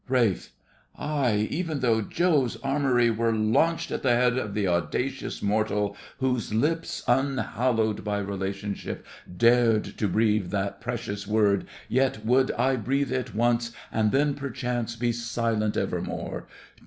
RALPH. Aye, even though Jove's armoury were launched at the head of the audacious mortal whose lips, unhallowed by relationship, dared to breathe that precious word, yet would I breathe it once, and then perchance be silent evermore.